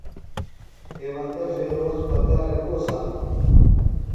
ہیوندہ فیروز بکارہ گو ساتانوۡ؟